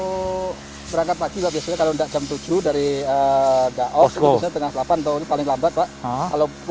untuk berangkat pagi kalau enggak jam tujuh dari daos go setengah delapan tahun paling lambat pak kalau